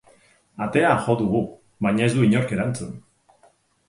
Atea jo dugu, baina ez du inork erantzun.